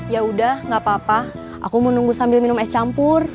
ya udah gak apa apa aku menunggu sambil minum es campur